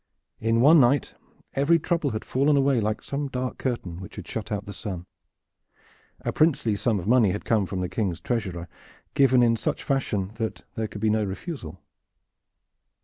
In one night every trouble had fallen away like some dark curtain which had shut out the sun. A princely sum of money had come from the King's treasurer, given in such fashion that there could be no refusal.